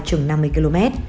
chừng năm mươi km